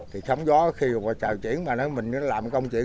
thì sóng gió khi trào chuyển mà nói mình nó làm công chuyện